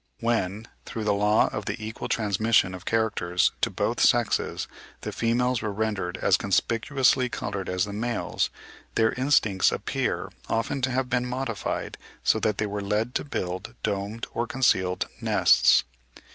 When, through the law of the equal transmission of characters to both sexes, the females were rendered as conspicuously coloured as the males, their instincts appear often to have been modified so that they were led to build domed or concealed nests.